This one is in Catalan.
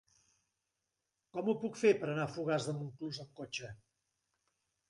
Com ho puc fer per anar a Fogars de Montclús amb cotxe?